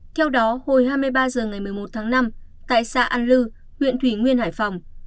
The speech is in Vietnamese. theo đó hồi hai mươi ba h ngày một mươi một tháng năm tại xã an lư huyện thủy nguyên hải phòng